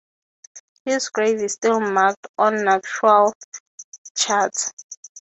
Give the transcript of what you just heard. His grave is still marked on nautical charts.